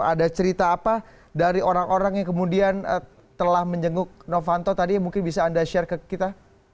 ada cerita apa dari orang orang yang kemudian telah menjenguk novanto tadi mungkin bisa anda share ke kita